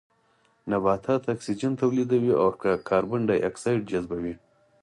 نباتات اکسيجن توليدوي او کاربن ډای اکسايد جذبوي